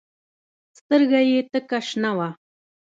سترګه يې تکه شنه وه.